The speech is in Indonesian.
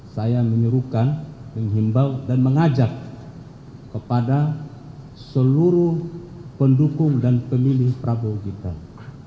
saya menyuruhkan menghimbau dan mengajak kepada seluruh pendukung dan pemilih prabowo gibran